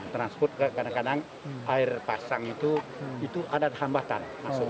transport kadang kadang air pasang itu ada hambatan